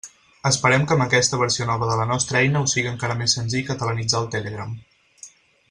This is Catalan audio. Esperem que amb aquesta versió nova de la nostra eina us sigui encara més senzill catalanitzar el Telegram.